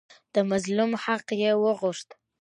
د مظلوم حق یې وغوښت.